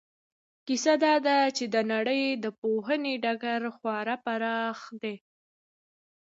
کیسه دا ده چې د نړۍ د پوهنې ډګر خورا پراخ دی.